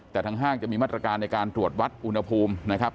แต่ทางห้างจะมีมาตรการในการตรวจวัดอุณหภูมินะครับ